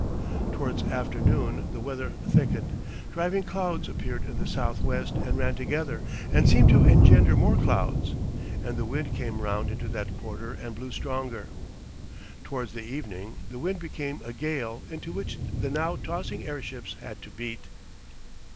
Towards afternoon the weather thickened, driving clouds appeared in the south west and ran together and seemed to engender more clouds, and the wind came round into that quarter and blew stronger. Towards the evening the wind became a gale into which the now tossing airships had to beat.